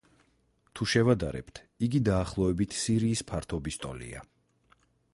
თუ შევადარებთ, იგი დაახლოებით სირიის ფართობის ტოლია.